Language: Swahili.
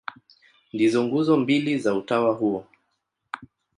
Ndizo nguzo mbili za utawa huo.